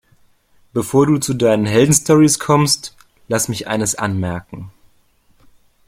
Bevor du zu deinen Heldenstorys kommst, lass mich eines anmerken.